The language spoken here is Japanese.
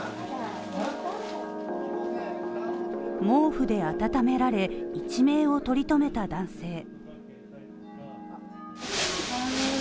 毛布であたためられ、一命を取り留めた男性。